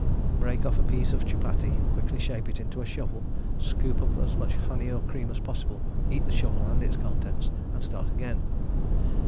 Break off a piece of chupattie, quickly shape it into a shovel, scoop up as much honey or cream as possible, eat the shovel and its contents, and start again.